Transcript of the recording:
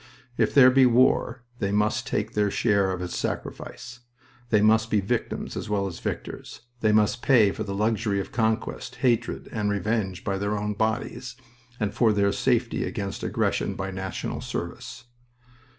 If there be war they must take their share of its sacrifice. They must be victims as well as victors. They must pay for the luxury of conquest, hatred, and revenge by their own bodies, and for their safety against aggression by national service.